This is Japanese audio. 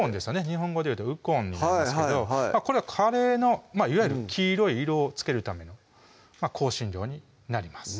日本語でいうとウコンなんですがこれはカレーのいわゆる黄色い色をつけるための香辛料になります